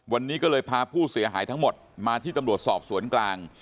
วันนี้ก็เลยพาผู้เสียหายทั้งหมดมาที่ตำรวจสอบสวนกลาง